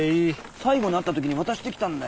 最後に会った時に渡してきたんだよ。